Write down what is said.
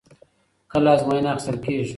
کله ازموینه اخیستل کېږي؟